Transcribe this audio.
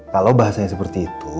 kalo bahasanya seperti itu